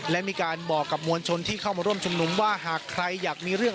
และมีการบอกกับมวลชนที่เข้ามาร่วมชุมนุมว่าหากใครอยากมีเรื่อง